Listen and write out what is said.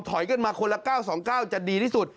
ถอยเกินมาคนละเก้าสองเก้าจะดีที่สุด